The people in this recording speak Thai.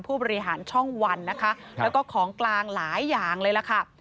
ผู้บริหารช่องวันนะคะแล้วก็ของกลางหลายอย่างเลยล่ะค่ะ